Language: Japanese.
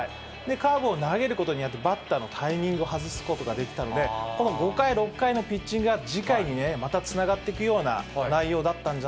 カーブを投げることによって、バッターのタイミングを外すことができたので、この５回、６回のピッチングが次回にね、またつながっていくような内容だったんじ